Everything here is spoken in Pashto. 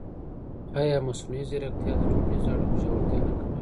ایا مصنوعي ځیرکتیا د ټولنیزو اړیکو ژورتیا نه کموي؟